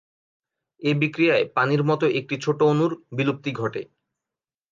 এ বিক্রিয়ায় পানির মতো একটি ছোট অণুর বিলুপ্তি ঘটে।